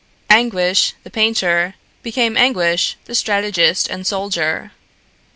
Anguish, the painter, became Anguish, the strategist and soldier.